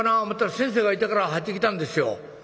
思うたら先生がいたから入ってきたんですよ」。